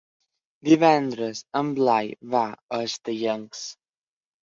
Divendres en Blai va a Estellencs.